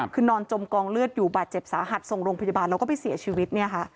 คือนอนจมกองเลือดอยู่บาดเจ็บสาหัสส่งโรงพยาบาลแล้วก็ไปเสียชีวิตเนี่ยค่ะ